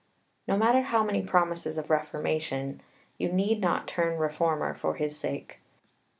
No matter how many promises of reformation; you need not turn reformer for his sake.